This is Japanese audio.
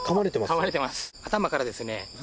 噛まれてます